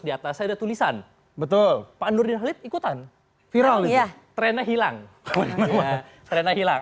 di atas ada tulisan betul pak nurdin halid ikutan viral itu trennya hilang trennya hilang